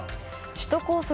首都高速